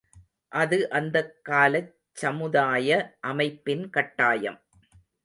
அது அந்தக் காலச் சமுதாய அமைப்பின் கட்டாயம்.